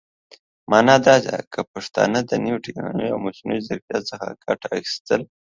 معنا دا چې که پښتانهٔ د نوې ټيکنالوژۍ او مصنوعي ځيرکتيا څخه ګټه اخيستل